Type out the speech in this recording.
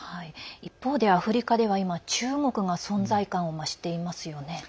一方で、アフリカでは今中国が存在感を増していますよね。